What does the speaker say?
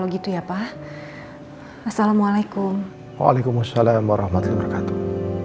gitu ya pak assalamualaikum waalaikumsalam warahmatullahi wabarakatuh